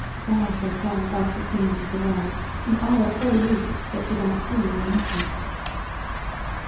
thou so far above the Queens of the World, and I a poor youth that without thee were nothing!"